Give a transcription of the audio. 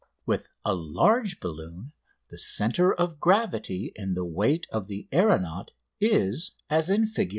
] With a large balloon the centre of gravity in the weight of the aeronaut is as in Fig.